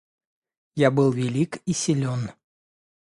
Я был велик и силён.